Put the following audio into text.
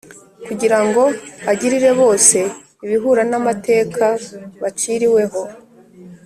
kugira ngo agirire bose ibihura n’amateka baciriwe ho